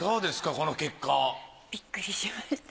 この結果。びっくりしました。